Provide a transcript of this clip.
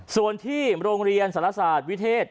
ส่วนที่โรงเรียนสารศาสตร์วิเทศ